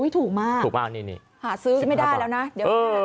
ถูกมากหาซื้อไม่ได้แล้วนะเดี๋ยวถูกมากนี่